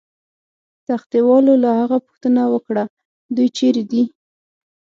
تختې والاو له هغه پوښتنه وکړه: دوی چیرې دي؟